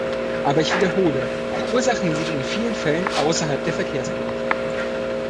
Aber ich wiederhole, die Ursachen liegen in vielen Fällen außerhalb der Verkehrspolitik.